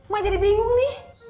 ma jadi bingung nih